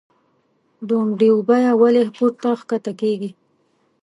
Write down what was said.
دونډیو بیه ولۍ پورته کښته کیږي؟